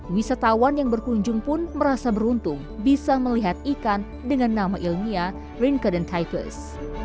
wisatawan yang berkunjung pun merasa beruntung bisa melihat ikan dengan nama ilmiah rinkaden tickless